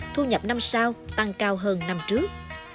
thu nhập năm sau tăng cao hơn năm trước